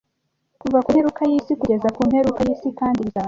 Kuva ku mperuka y'isi kugeza ku mperuka y'isi, kandi bizaba